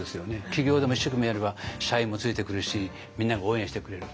企業でも一生懸命やれば社員もついてくるしみんなが応援してくれる。